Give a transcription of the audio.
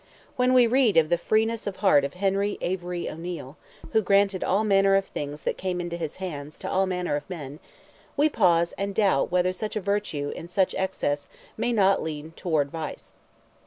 When we read of the freeness of heart of Henry Avery O'Neil, who granted all manner of things "that came into his hands," to all manner of men, we pause and doubt whether such a virtue in such excess may not lean towards vice.